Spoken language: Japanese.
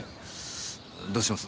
どうします？